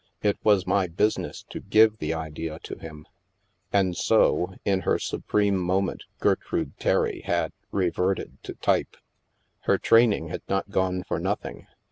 It was my business to give the idea to him !" And so, in her supreme moment, Gertrude Terry had " reverted to type." Her training had not gone for nothing.